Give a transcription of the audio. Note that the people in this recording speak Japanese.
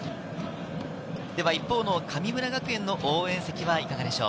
一方の神村学園の応援席はいかがでしょう？